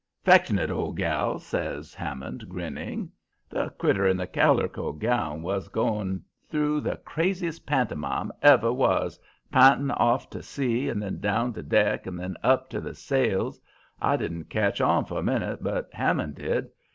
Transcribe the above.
"''Fectionate old gal,' says Hammond, grinning. "The critter in the calirco gown was going through the craziest pantomime ever was; p'intin' off to sea and then down to deck and then up to the sails. I didn't catch on for a minute, but Hammond did.